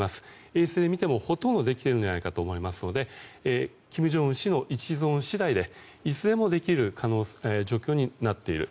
冷静に見てもほとんどできているんじゃないかと思いますので金正恩氏の一存次第でいつでもできる状況になっている。